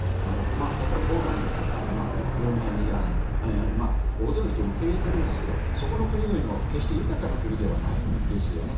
例えばポーランドとかルーマニア大勢の人を受け入れているんですがそこの国々も決して豊かな国ではないんですよね。